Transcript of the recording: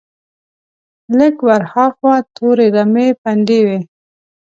لږ ور هاخوا تورې رمې پنډې وې.